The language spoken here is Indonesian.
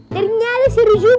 kuten tilih sayu